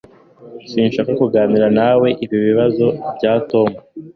Sinshaka kuganira nawe ibibazo bya Tom.